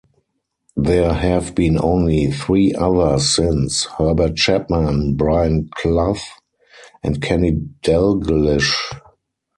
There have been only three others since; Herbert Chapman, Brian Clough and Kenny Dalglish.